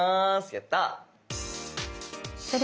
やったあ！